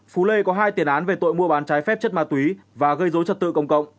phú lê có hai tiền án về tội mua bán trái phép chất ma túy và gây dối trật tự công cộng